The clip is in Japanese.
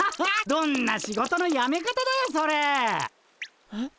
どんな仕事のやめ方だよそれ！えっ。